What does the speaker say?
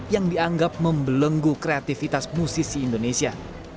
yang dianggap membelenggu kreativitas musisi indonesia